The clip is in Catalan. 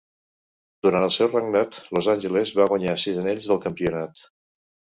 Durant el seu regnat, Los Angeles va guanyar sis anells del campionat.